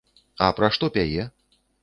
А пра што пяе?